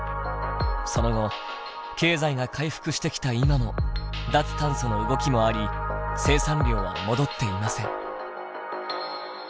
その後経済が回復してきた今も脱炭素の動きもあり生産量は戻っていません。